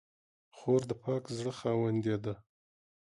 خور د پاک زړه خاوندې ده.